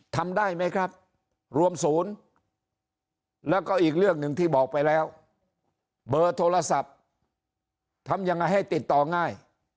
ทำได้ไหมครับรวมศูนย์แล้วก็อีกเรื่องหนึ่งที่บอกไปแล้วเบอร์โทรศัพท์ทำยังไงให้ติดต่อง่าย